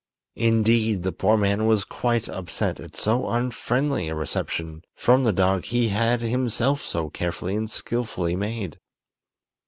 Indeed, the poor man was quite upset at so unfriendly a reception from the dog he had himself so carefully and skillfully made.